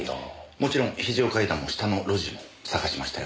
もちろん非常階段の下の路地も探しましたよ。